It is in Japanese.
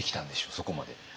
そこまで。